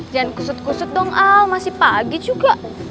jangan kusut kusut dong masih pagi juga